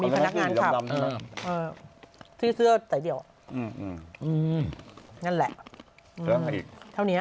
มีพนักงานครับเออที่เสื้อแต่เดี๋ยวนั่นแหละเครื่องอีกเท่านี้